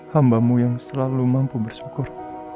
hambamu yang selalu mampu bersyukur